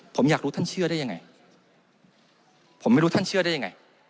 ผมอยากรู้ท่านเชื่อได้ยังไงผมไม่รู้ท่านเชื่อได้ยังไง